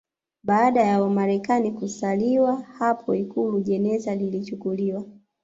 Baada ya marehemu kusaliwa hapo Ikulu jeneza lilichukuliwa